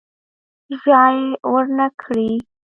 ژای ورنه کړي.